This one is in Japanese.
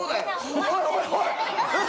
おいおいおい。